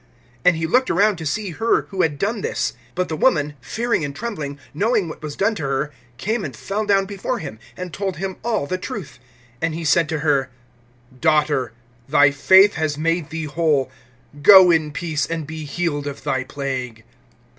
(32)And he looked around to see her who had done this. (33)But the woman, fearing and trembling, knowing what was done to her, came and fell down before him, and told him all the truth. (34)And he said to her: Daughter, thy faith has made thee whole; go in peace, and be healed of thy plague.